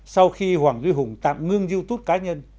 sau khi hoàng duy hùng tạm ngưng youtube cá nhân